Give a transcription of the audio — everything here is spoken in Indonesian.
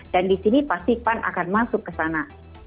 di sini pasti pan akan masuk ke sana